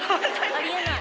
あり得ない。